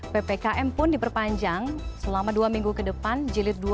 ppkm pun diperpanjang selama dua minggu ke depan jilid dua